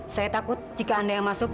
saya takut jika anda yang masuk